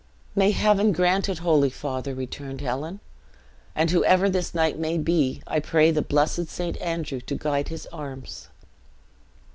"May Heaven grant it, holy father," returned Helen, "and whoever this knight may be, I pray the blessed St. Andrew to guide his arms!"